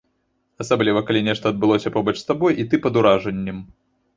Асабліва калі нешта адбылося побач з табой, і ты пад уражаннем.